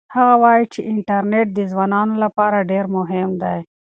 هغه وایي چې انټرنيټ د ځوانانو لپاره ډېر مهم دی.